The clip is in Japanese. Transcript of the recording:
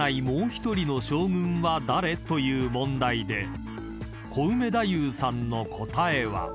もう１人の将軍は誰？という問題でコウメ太夫さんの答えは］